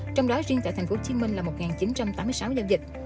trong đó riêng tại tp hcm là một chín trăm tám mươi sáu giao dịch